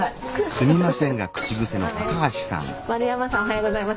すみません。